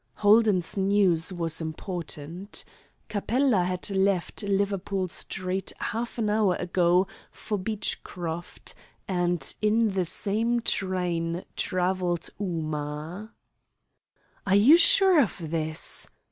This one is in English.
Holden's news was important. Capella had left Liverpool Street half an hour ago for Beechcroft, and in the same train travelled Ooma. "Are you sure of this?"